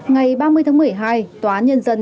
ngày ba mươi tháng một mươi hai tòa án nhân dân